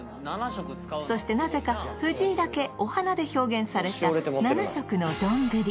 そしてなぜか藤井だけお花で表現された７色の丼